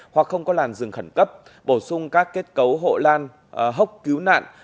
hoặc không có làn rừng khẩn cấp bổ sung các kết cấu hộ lan hốc cứu nạn